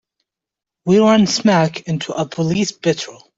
We run smack into a police patrol.